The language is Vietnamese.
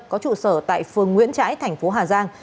có trụ sở tại phường nguyễn trãi thành phố hà giang